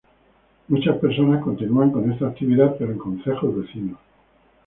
Muchas personas continúan con esta actividad pero en concejos vecinos.